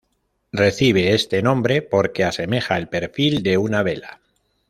Recibe este nombre porque asemeja el perfil de una vela.